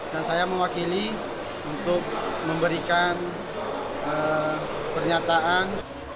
dan saya mewakili untuk memberikan pernyataan